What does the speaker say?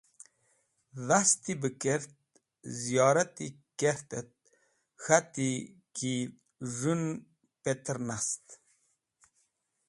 Dhasti ba kert, ziyorati kert et k̃hati ki z̃hũ en petr nast.